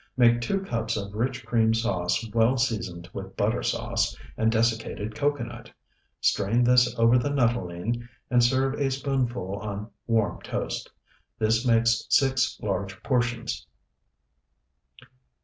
Make two cups of rich cream sauce well seasoned with butter sauce, and desiccated cocoanut. Strain this over the nuttolene, and serve a spoonful on warm toast. This makes six large portions.